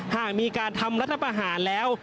หากมีการทำรัฐประหารแล้ว